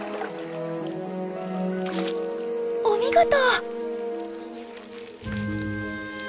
お見事！